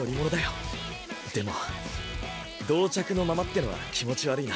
でも同着のままってのは気持ち悪いな。